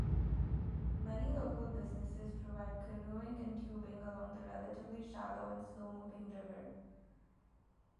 Many local businesses provide canoeing and tubing along the relatively shallow and slow-moving river.